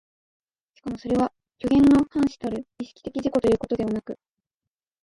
しかもそれは虚幻の伴子たる意識的自己ということではなく、